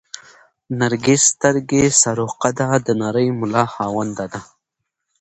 نرګس سترګې، سروه قده، د نرۍ ملا خاونده ده